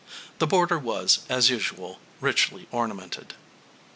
The border was, as usual, richly ornamented.